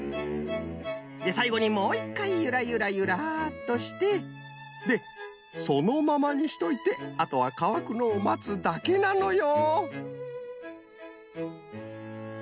でさいごにもう１かいゆらゆらゆらっとしてでそのままにしといてあとはかわくのをまつだけなのよ。